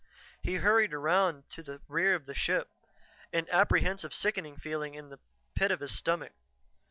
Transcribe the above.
He hurried around to the rear of the ship, an apprehensive, sickening feeling at the pit of his stomach.